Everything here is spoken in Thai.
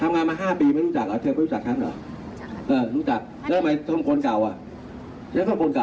เฮ้มันต้องดีขึ้นหน่าดีขึ้นหน่าก็ลากลับไปน่าแล้วหล่ะ